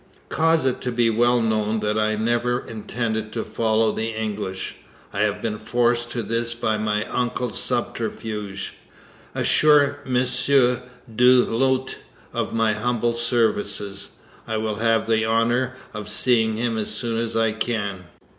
Cause it to be well known that I never intended to follow the English. I have been forced to this by my uncle's subterfuge. Assure M. Du Lhut of my humble services. I will have the honour of seeing him as soon as I can.